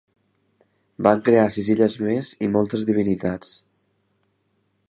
Van crear sis illes més i moltes divinitats.